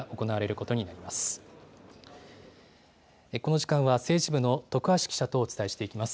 この時間は、政治部の徳橋記者とお伝えしていきます。